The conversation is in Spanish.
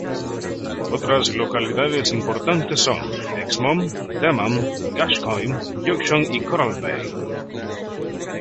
Otras localidades importantes son Exmouth, Denham, Gascoyne Junction y Coral Bay.